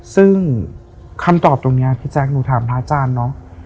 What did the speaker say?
ซึ่งคำตอบตรงนี้พี่แจ๊คหนูถามพระอาจารย์เนอะ